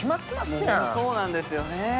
ホントそうなんですよね。